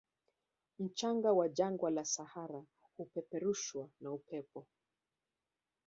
Mchanga wa jangwa la sahara hupeperushwa na upepo